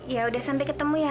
yaudah sampai ketemu ya